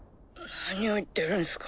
何を言ってるんすか。